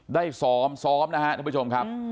ได้ซ้อมซ้อมนะครับท่านผู้ชมครับ